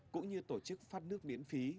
cũng như tổ chức phát nước miễn phí